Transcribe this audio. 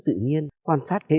nóc chân không rút bạn